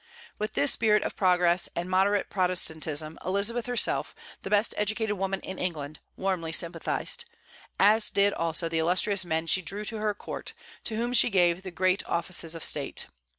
With this spirit of progress and moderate Protestantism Elizabeth herself, the best educated woman in England, warmly sympathized, as did also the illustrious men she drew to her court, to whom she gave the great offices of state.